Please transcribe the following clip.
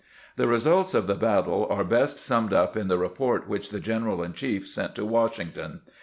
The results of the battle are best summed up in the report which the general in chief sent to Washington.